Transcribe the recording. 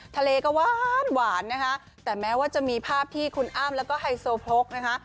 ทะเลก็หวานหวานนะคะแต่แม้ว่าจะมีภาพที่คุณอ้ำแล้วก็ไฮโซโพกนะคะ